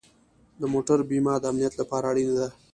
د موټر بیمه د امنیت لپاره اړینه ده.